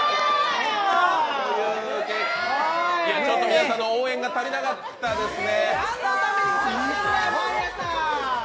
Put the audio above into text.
皆さんの応援が足りなかったですね。